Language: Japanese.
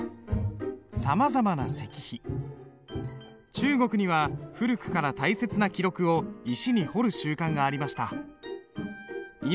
中国には古くから大切な記録を石に彫る習慣がありました。